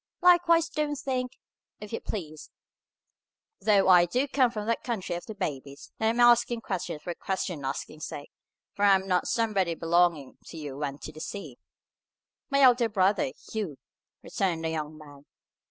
Likewise don't think, if you please, though I do come from that country of the babies, that I am asking questions for question asking's sake, for I am not. Somebody belonging to you went to sea?" "My elder brother, Hugh," returned the young man.